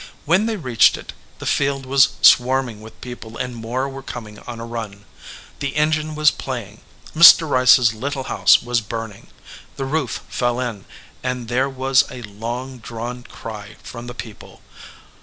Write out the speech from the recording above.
When they reached it the field was swarm ing with people and more were coming on a run. The engine was playing. Mr. Rice s little house was burning. The roof fell in, and there was\ a long drawn cry from the people.